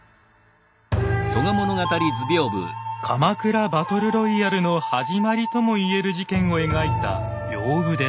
鎌倉バトルロイヤルの始まりとも言える事件を描いた屏風です。